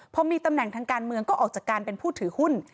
พอมีตำแหน่งทางการเมืองก็ออกจากการเป็นผู้ถือหุ้น